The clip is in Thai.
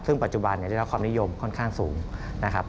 ซึ่งปัจจุบันได้รับความนิยมค่อนข้างสูงนะครับ